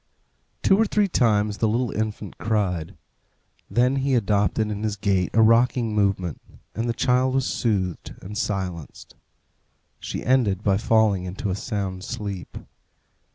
Two or three times the little infant cried. Then he adopted in his gait a rocking movement, and the child was soothed and silenced. She ended by falling into a sound sleep.